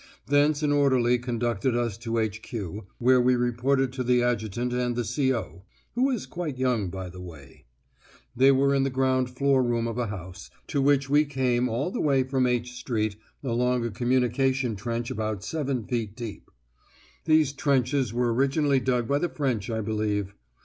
Thence an orderly conducted us to H.Q., where we reported to the Adjutant and the C.O. (who is quite young by the way); they were in the ground floor room of a house, to which we came all the way from H Street along a communication trench about seven feet deep. These trenches were originally dug by the French, I believe.